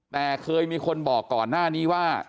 แต่เคยมีคนบอกก่อนหน้านี้ว่า